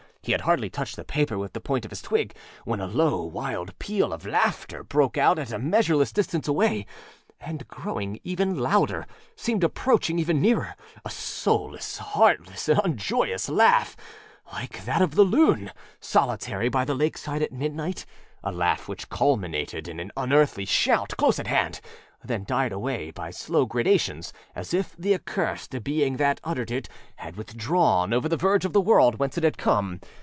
He had hardly touched the paper with the point of his twig when a low, wild peal of laughter broke out at a measureless distance away, and growing ever louder, seemed approaching ever nearer; a soulless, heartless, and unjoyous laugh, like that of the loon, solitary by the lakeside at midnight; a laugh which culminated in an unearthly shout close at hand, then died away by slow gradations, as if the accursed being that uttered it had withdrawn over the verge of the world whence it had come.